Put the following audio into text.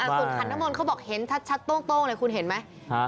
ส่วนขันน้ำมนต์เขาบอกเห็นชัดโต้งเลยคุณเห็นไหม